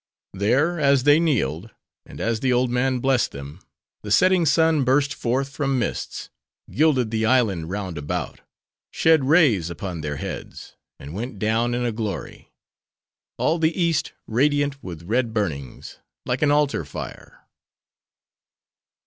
There, as they kneeled, and as the old man blessed them, the setting sun burst forth from mists, gilded the island round about, shed rays upon their heads, and went down in a glory—all the East radiant with red burnings, like an altar fire.